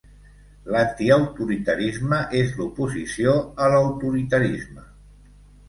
L'antiautoritarisme és l'oposició a l'autoritarisme.